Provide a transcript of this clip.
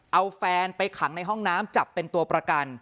เอาแฟนไปขังในห้องน้ำจับเป็นตัวประกัน